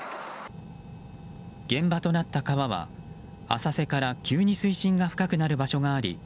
現場となった川は浅瀬から急に水深が深くなる場所があり